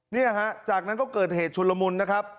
เนี่ยฮะจากนั้นก็เกิดเหตุชุนละมุนนะครับ